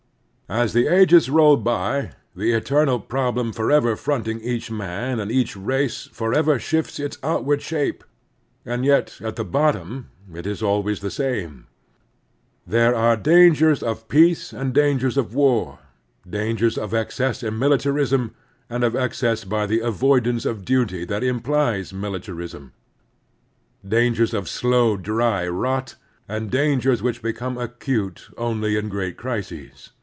As the ages roll by, the eternal problem forever fronting each man and each race forever shifts its outward shape, and yet at the bottom it is always the same. There are dangers of peace and Grant aij dangers of war; dangers of excess in militarism and of excess by the avoidance of duty that implies militarism; dangers of slow dry rot, and dangers which become acute only in great crises.